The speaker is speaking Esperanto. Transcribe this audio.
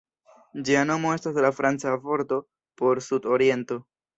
Ĝia nomo estas la franca vorto por "sud-oriento".